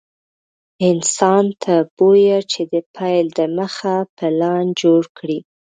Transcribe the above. انسان ته بويه چې د پيل دمخه پلان جوړ کړي.